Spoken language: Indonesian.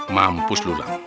mampus lu bang